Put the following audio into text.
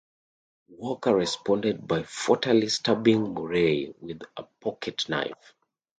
Walker responded by fatally stabbing Murray with a pocket knife.